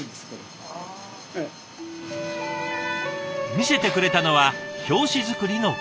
見せてくれたのは表紙作りの工程。